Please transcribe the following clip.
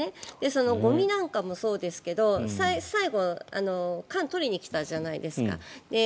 そのゴミなんかもそうですけど最後、缶を取りに来たじゃないですか。